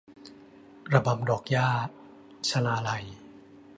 ระบำดอกหญ้า - ชลาลัย